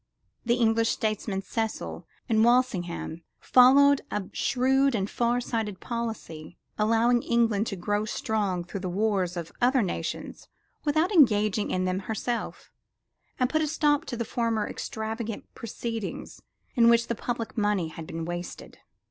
The English statesmen Cecil and Walsingham followed a shrewd and far sighted policy, allowing England to grow strong through the wars of other nations without engaging in them herself, and put a stop to the former extravagant proceedings in which the public money had been wasted.